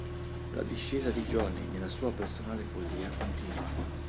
La discesa di Johnny nella sua personale follia continua.